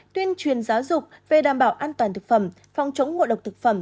tuyên truyền giáo dục về đảm bảo an toàn thực phẩm phòng chống ngộ độc thực phẩm